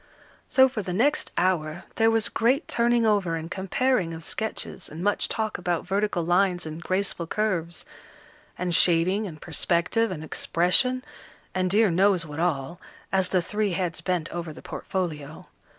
So for the next hour, there was great turning over and comparing of sketches, and much talk about vertical lines and graceful curves, and shading and perspective, and expression, and dear knows what all, as the three heads bent over the portfolio.